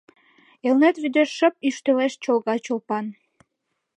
Элнет вӱдеш шып йӱштылеш Чолга Чолпан.